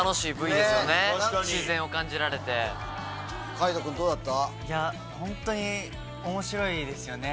海人君どうだった？